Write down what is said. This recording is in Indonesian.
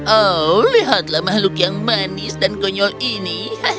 oh lihatlah makhluk yang manis dan konyol ini